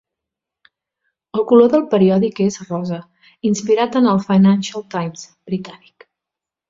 El color del periòdic és rosa, inspirat en el "Financial Times" britànic.